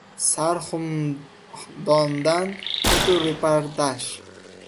Sarxumdondan fotoreportaj